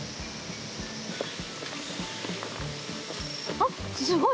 あっすごい！